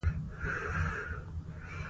د تاریخ زړه ډېر لوی دی.